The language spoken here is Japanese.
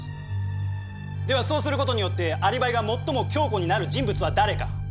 ではそうする事によってアリバイが最も強固になる人物は誰か？